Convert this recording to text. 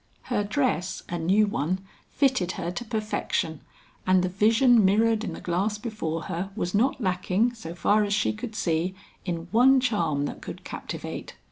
Her dress, a new one, fitted her to perfection and the vision mirrored in the glass before her was not lacking, so far as she could see in one charm that could captivate.